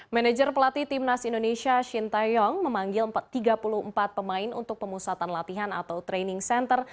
manager pelatih timnas indonesia shin taeyong memanggil tiga puluh empat pemain untuk pemusatan latihan atau training center